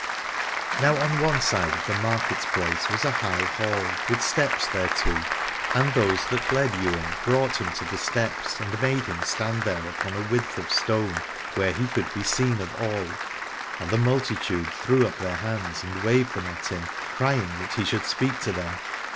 Now on one side of the market place was a high hall, with steps thereto ; and those that led Ywain brought him to the steps and 79 Aladore made him stand there upon a width of stone where he could be seen of all, and the multi tude threw up their hands and waved them at him, crying that he should speak to them.